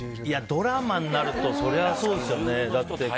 ドラマになるとそれはそうですよね。